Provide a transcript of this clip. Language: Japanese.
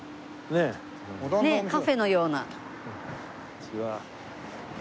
ねえカフェのような。